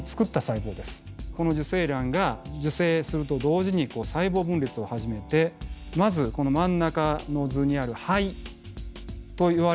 この受精卵が受精すると同時に細胞分裂を始めてまずこの真ん中の図にある胚といわれる状態になります。